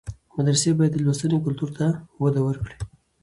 مدرسې باید د لوستنې کلتور ته وده ورکړي.